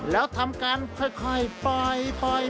แล้วทำการค่อยปล่อย